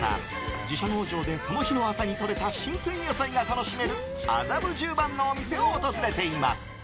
自社農場でその日の朝にとれた新鮮野菜が楽しめる麻布十番のお店を訪れています。